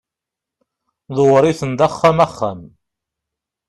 ḍewwer-iten-d axxam axxam